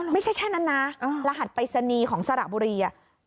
ไม่ใช่แค่นั้นนะรหัสปริศนีย์ของสระบุรี